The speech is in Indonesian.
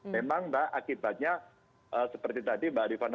memang mbak akibatnya seperti tadi mbak rifat nasional